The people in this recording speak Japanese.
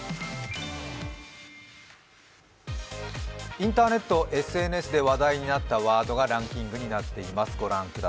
インターネット・ＳＮＳで話題になったワードがランキングになっています。